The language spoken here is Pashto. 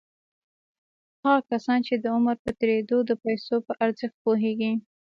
هغه کسان چې د عمر په تېرېدو د پيسو په ارزښت پوهېږي.